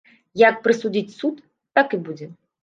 Як прысудзіць суд, так і будзе.